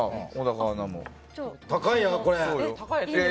高いよ、これ。